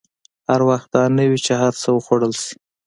هر وخت دا نه وي چې هر څه وخوړل شي.